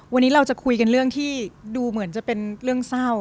วันนี้เราจะคุยกันเรื่องที่ดูเหมือนจะเป็นเรื่องเศร้า